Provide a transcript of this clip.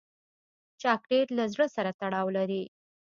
چاکلېټ له زړه سره تړاو لري.